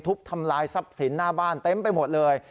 ทำลายทรัพย์สินหน้าบ้านเต็มไปหมดเลย